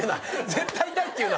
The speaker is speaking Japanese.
絶対痛いって言うな。